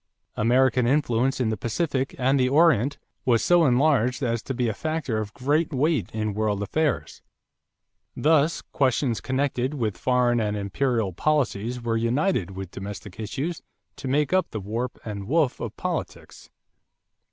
American influence in the Pacific and the Orient was so enlarged as to be a factor of great weight in world affairs. Thus questions connected with foreign and "imperial" policies were united with domestic issues to make up the warp and woof of politics.